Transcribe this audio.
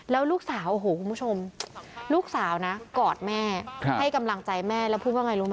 แล้วลูกสาวโอ้โหคุณผู้ชมลูกสาวนะกอดแม่ให้กำลังใจแม่แล้วพูดว่าไงรู้ไหม